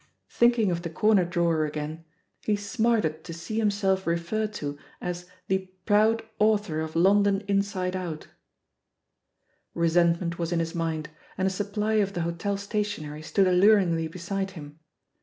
^ Thinking of the comer flrawer again, he smarted to see himself referred to as the *'proud author of London Inside Outf* Resentment was in his mind, and a supply of the hotel stationery stood alluringly beside him.